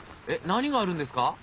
えっ何があるんですか？